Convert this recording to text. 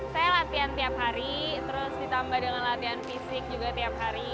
saya latihan tiap hari terus ditambah dengan latihan fisik juga tiap hari